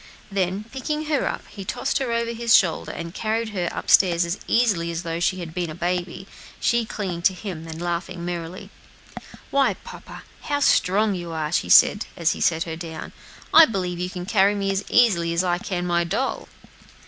Then, picking her up, he tossed her over his shoulder, and carried her up stairs as easily as though she had been a baby, she clinging to him and laughing merrily. "Why, papa, how strong you are," she said, as he set her down. "I believe you can carry me as easily as I can my doll."